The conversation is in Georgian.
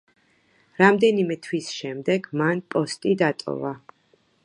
რამდენიმე თვის შემდეგ მან პოსტი დატოვა.